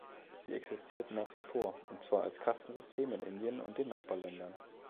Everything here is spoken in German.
Sie existiert nach wie vor, und zwar als Kastensystem in Indien und den Nachbarländern.